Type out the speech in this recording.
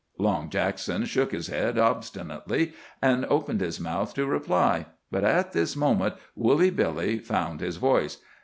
Long Jackson shook his head obstinately, and opened his mouth to reply, but at this moment Woolly Billy found his voice.